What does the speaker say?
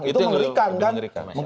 lebih mengerikan kan